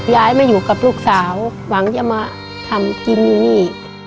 ย้ายมาอยู่กับลูกสาวหวังจะมาทำกินอยู่นี่